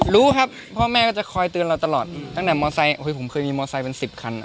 รู้ครับพ่อแม่ก็จะคอยเตือนเราตลอดตั้งแต่มอไซคผมเคยมีมอไซค์เป็น๑๐คัน